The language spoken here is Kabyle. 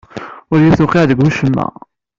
Ur iyi-tuqqiɛ deg ucemma.